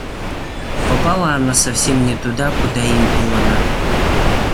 Попала она совсем не туда, куда ей было надо.